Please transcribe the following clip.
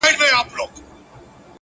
هره تجربه د ځان پېژندنې هنداره ده.!